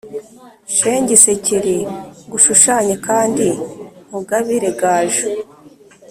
shenge isekere ngushushanye kandi nkugabire gaju